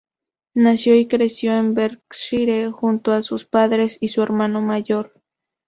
Nació y creció en Berkshire junto a sus padres y su hermano mayor.